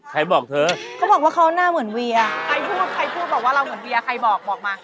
ใครพูดบอกว่าเราเหมือนเวียใครบอกมา